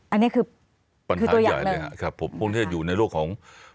อันนี้คือปัญหาใหญ่หนึ่ง